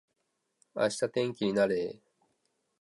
明日天気になれー